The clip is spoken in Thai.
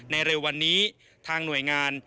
เร็ววันนี้ทางหน่วยงาน